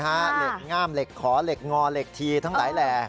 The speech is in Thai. เหล็กง่ามเหล็กขอเหล็กงอเหล็กทีทั้งหลายแหล่